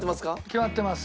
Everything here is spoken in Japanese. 決まってます。